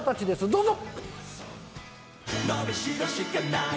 どうぞ！